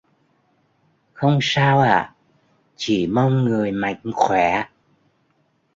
Không sao ạ chỉ mong người mạnh khoẻ